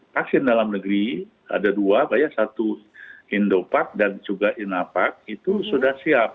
vaksin dalam negeri ada dua baya satu indopak dan juga inapark itu sudah siap